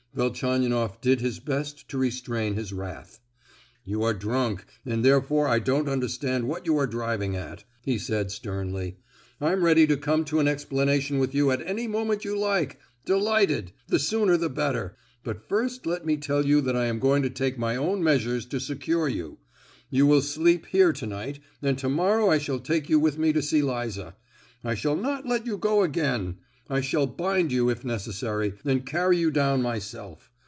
Velchaninoff did his best to restrain his wrath. "You are drunk, and therefore I don't understand what you are driving at," he said sternly. "I'm ready to come to an explanation with you at any moment you like—delighted!—the the sooner the better. But first let me tell you that I am going to take my own measures to secure you. You will sleep here to night, and to morrow I shall take you with me to see Liza. I shall not let you go again. I shall bind you, if necessary, and carry you down myself.